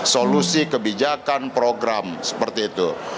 solusi kebijakan program seperti itu